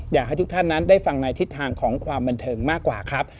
อยากให้ทุกท่านนั้นได้ฟังในทิศทางของความบันเทิงมากกว่าครับ